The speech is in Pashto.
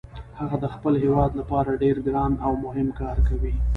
هغه د خپل هیواد لپاره ډیر ګران او مهم کار کوي